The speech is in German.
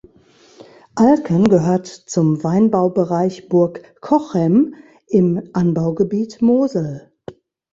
Alken gehört zum „Weinbaubereich Burg Cochem“ im Anbaugebiet Mosel.